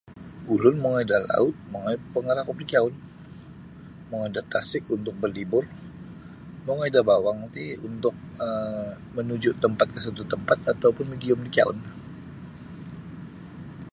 Ulun mongoi da laut mongoi pangarakup da kiyaun mongoi da tasik untuk berlibur mongoi da bawang ti untuk um manuju tempat ke sesuatu tempat untuk magiyum da kiyaun.